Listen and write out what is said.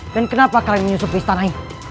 dan kenapa kalian menyusup istananya